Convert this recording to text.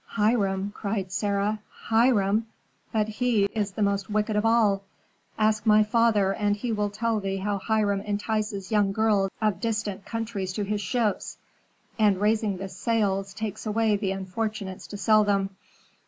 "Hiram!" cried Sarah, "Hiram! but he is the most wicked of all! Ask my father, and he will tell thee how Hiram entices young girls of distant countries to his ships, and raising the sails takes away the unfortunates to sell them.